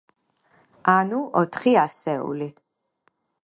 ანუ, ოთხი ასეული.